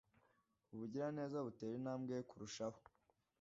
ubugiraneza butera intambwe ye kurushaho